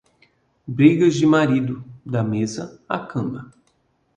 Brigas de marido, da mesa à cama.